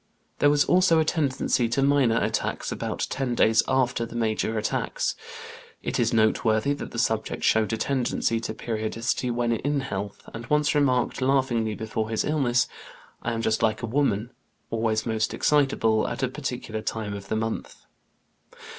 There was also a tendency to minor attacks about ten days after the major attacks. It is noteworthy that the subject showed a tendency to periodicity when in health, and once remarked laughingly before his illness: "I am just like a woman, always most excitable at a particular time of the month."